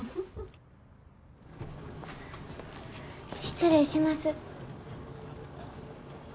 失礼します。